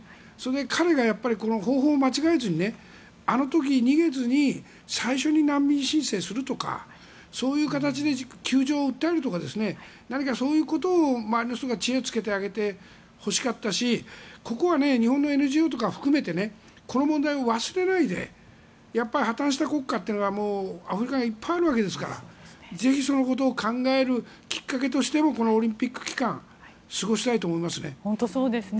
彼が方法を間違えずにあの時、逃げずに最初に難民申請するとかそういう形で窮状を訴えるとか何かそういうことを周りの人が知恵をつけてあげてほしかったしここは日本のＮＧＯとか含めてこの問題を忘れないでやっぱり破たんした国家というのはアフリカはいっぱいあるわけですからぜひ、そのことを考えるきっかけとしてもこのオリンピック期間過ごしたいと思いますね。